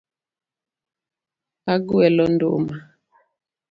Agwelo nduma.